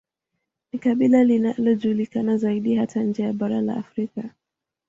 Ni kabila linalojulikana zaidi hata nje ya bara la Afrika